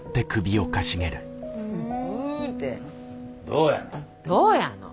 どうやの？